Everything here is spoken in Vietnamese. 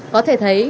có thể thấy